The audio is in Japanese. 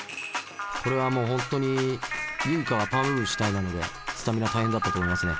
これはもう本当にＹｕｉｋａはパワームーブ主体なのでスタミナ大変だったと思いますね。